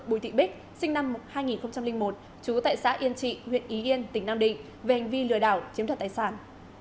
bùi thị bích sinh năm hai nghìn một trú tại xã yên trị huyện y yên tỉnh nam định về hành vi lừa đảo chiếm thật tài sản